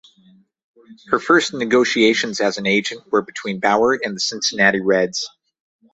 Her first negotiations as an agent were between Bauer and the Cincinnati Reds.